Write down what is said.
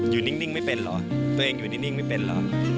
นิ่งไม่เป็นเหรอตัวเองอยู่นิ่งไม่เป็นเหรอ